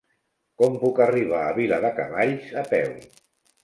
Com puc arribar a Viladecavalls a peu?